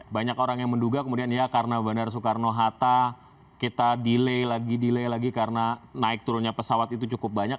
banyak orang yang menduga kemudian ya karena bandara soekarno hatta kita delay lagi delay lagi karena naik turunnya pesawat itu cukup banyak